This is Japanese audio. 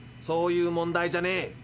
そういう問題じゃねえ。